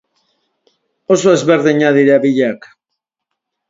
Oso ezberdinak dira biak.